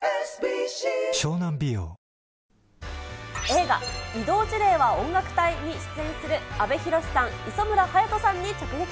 映画、異動辞令は音楽隊！に出演する阿部寛さん、磯村勇斗さんに直撃。